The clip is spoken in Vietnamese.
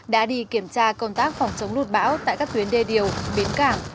đã đi kiểm tra công tác phòng chống lực bão tại các tuyến đê điều biến cảng